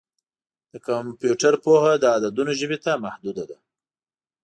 د کمپیوټر پوهه د عددونو ژبې ته محدوده ده.